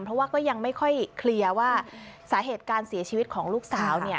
เพราะว่าก็ยังไม่ค่อยเคลียร์ว่าสาเหตุการเสียชีวิตของลูกสาว